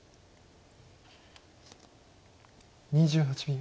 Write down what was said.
２８秒。